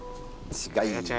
違う